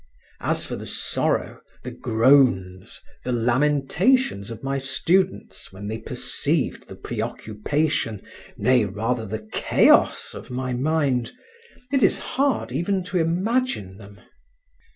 As for the sorrow, the groans, the lamentations of my students when they perceived the preoccupation, nay, rather the chaos, of my mind, it is hard even to imagine them.